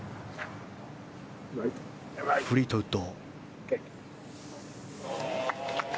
フリートウッド。